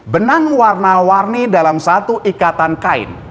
benang warna warni dalam satu ikatan kain